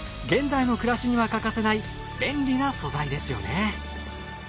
現代の暮らしには欠かせない便利な素材ですよね。